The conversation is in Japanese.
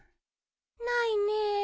ないねえ。